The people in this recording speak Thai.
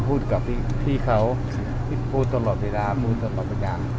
พูดกับพี่เขาพูดตลอดเวลาตอนต่อไปยัง